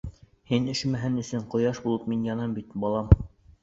Һин өшөмәһен өсөн ҡояш булып мин янам бит, балам.